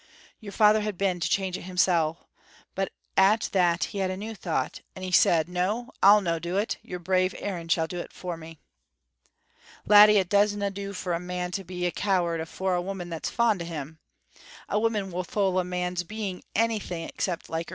Your father had been to change it himsel', but at that he had a new thait, and he said, 'No, I'll no' do it; your brave Aaron shall do it for me.' "Laddie, it doesna do for a man to be a coward afore a woman that's fond o' him. A woman will thole a man's being anything except like hersel'.